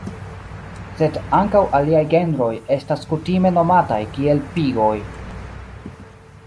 Sed ankaŭ aliaj genroj estas kutime nomataj kiel "pigoj".